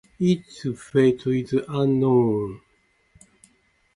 Its fate is unknown.